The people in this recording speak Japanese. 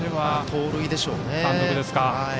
盗塁でしょうね。